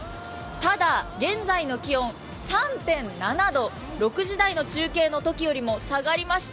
ただ、現在の気温３．７度６時台の中継のときよりも下がりました。